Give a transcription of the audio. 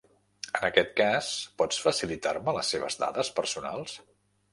En aquest cas, pot facilitar-me les seves dades personals?